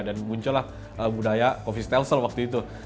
dan muncullah budaya kopi stelsel waktu itu